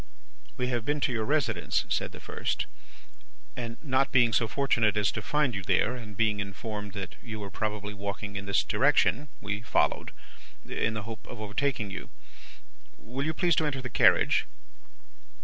"'We have been to your residence,' said the first, 'and not being so fortunate as to find you there, and being informed that you were probably walking in this direction, we followed, in the hope of overtaking you. Will you please to enter the carriage?